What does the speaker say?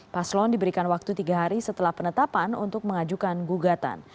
paslon diberikan waktu tiga hari setelah penetapan untuk mengajukan gugatan